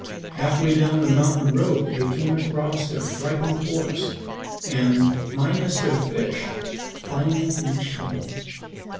Half way down the mountain road they came across their frightened horse, and, minus their fish, finally reached home.